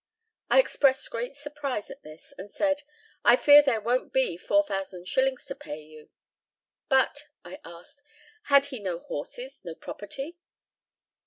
I expressed great surprise at this, and said, "I fear there won't be 4000 shillings to pay you." "But," I asked, "had he no horses, no property?"